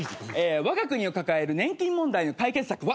わが国が抱える年金問題の解決策は？